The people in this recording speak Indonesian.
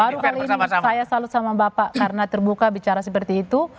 baru kali ini saya salut sama bapak karena terbuka bicara seperti itu